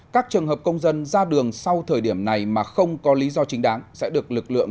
các trường hợp công dân ra đường sau thời điểm này mà không có lý do chính đáng sẽ được lực lượng